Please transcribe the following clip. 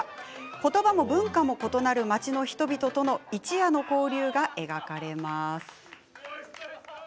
言葉も文化も異なる街の人々との一夜の交流が描かれます。